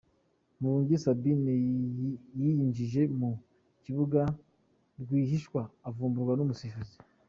Murungi Sabin yiyinjije mu kibuga rwihishwa avumburwa numusifuzi.